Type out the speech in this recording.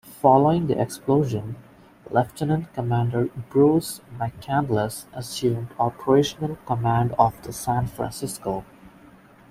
Following the explosion, Lieutenant Commander Bruce McCandless assumed operational command of the "San Francisco".